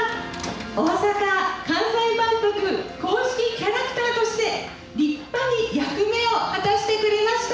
大阪・関西万博公式キャラクターとして、立派に役目を果たしてくれました。